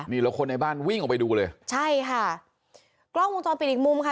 นี่แล้วคนในบ้านวิ่งออกไปดูเลยใช่ค่ะกล้องวงจรปิดอีกมุมค่ะ